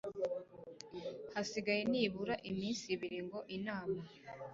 hasigaye nibura iminsi ibiri ngo inama